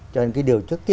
cho nên cái điều trước tiên